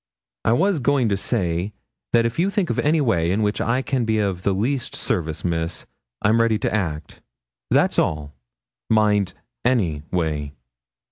'I was going to say, that if you think of any way in which I can be of the least service, Miss, I'm ready to act, that's all; mind, any way.'